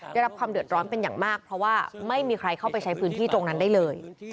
ได้รับความเดือดร้อนเป็นอย่างมากเพราะว่าไม่มีใครเข้าไปใช้พื้นที่ตรงนั้นได้เลย